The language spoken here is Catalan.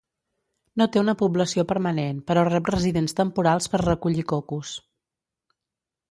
No té una població permanent, però rep residents temporals per recollir cocos.